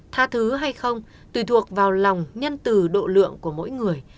tha thứ hay không tùy thuộc vào lòng nhân từ độ lượng của mỗi người